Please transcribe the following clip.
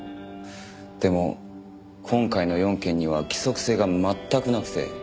でも今回の４件には規則性が全くなくて。